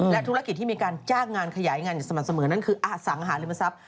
และธุรกิจที่มีการจ้างงานขยายงานอย่างสม่ำเสมอนั่นคืออสังหาริมทรัพย